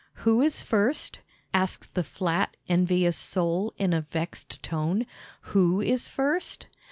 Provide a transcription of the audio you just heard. "Who is first?" asked the flat, envious Sole in a vexed tone. "Who is first?"